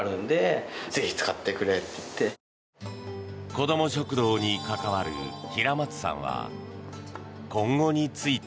子ども食堂に関わる平松さんは今後について。